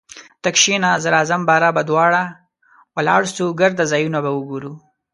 ته کښینه زه راځم باره به دواړه ولاړسو ګرده ځایونه به وګورو